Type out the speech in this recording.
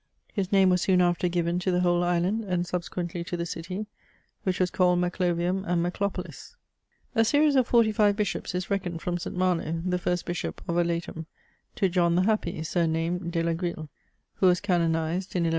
His name was soon after given to the whole island, and subsequently to the city, which was called Maclo vium and MaclopoHs, A series of forty five bishops is reckoned from St. Malo, the first Bishop of Aletum, to John the Happy, sumamed De la Grille, who was canonized in 1140.